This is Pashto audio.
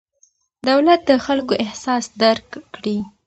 دولت د خلکو احساس درک کړي.